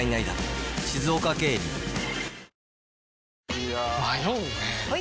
いや迷うねはい！